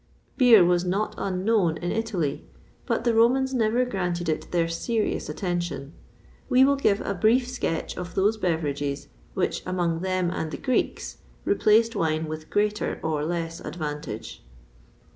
Beer was hot unknown in Italy, but the Romans never granted it their serious attention.[XXVI 28] We will give a brief sketch of those beverages which, among them and the Greeks, replaced wine with greater or less advantage.